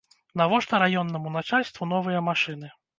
Навошта раённаму начальству новыя машыны?